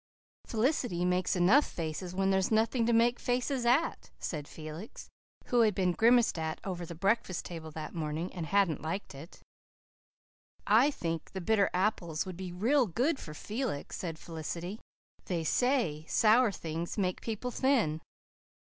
"Felicity makes enough faces when there's nothing to make faces at," said Felix, who had been grimaced at over the breakfast table that morning and hadn't liked it. "I think the bitter apples would be real good for Felix," said Felicity. "They say sour things make people thin."